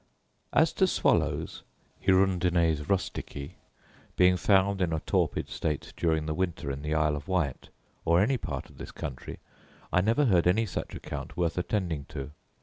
As to swallows (hirundines rusticae) being found in a torpid state during the winter in the Isle of Wight, or any part of this country, I never heard any such account worth attending to.